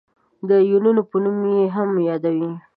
د آیونونو په نوم یې هم یادوي.